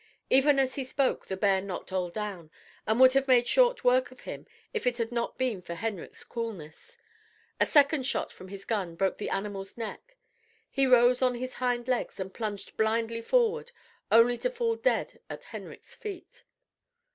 Even as he spoke, the bear knocked Ole down, and would have made short work of him if it had not been for Henrik's coolness. A second shot from his gun broke the animal's neck. He rose on his hind legs, and plunged blindly forward only to fall dead at Henrik's feet.